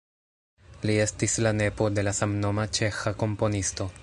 Li estis la nepo de la samnoma ĉeĥa komponisto.